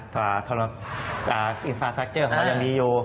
การทราบอินฟาสตรัคเจอร์ของเรายังมีอยู่